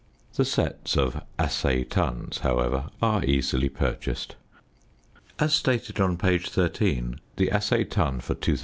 The sets of "assay tons," however, are easily purchased. As stated on page 13, the assay ton for 2240 lbs.